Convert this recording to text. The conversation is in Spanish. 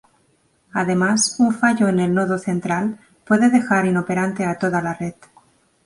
Además, un fallo en el nodo central puede dejar inoperante a toda la red.